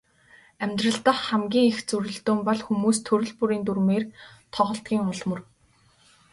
Амьдрал дахь хамгийн их зөрөлдөөн бол хүмүүс төрөл бүрийн дүрмээр тоглодгийн ул мөр.